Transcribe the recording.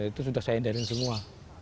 itu sudah saya endarin semua